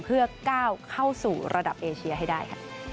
เพื่อก้าวเข้าสู่ระดับเอเชียให้ได้